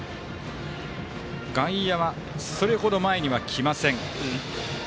外野はそれほど前には来ません。